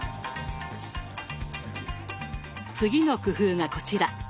次の工夫がこちら。